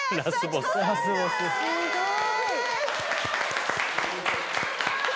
すごい！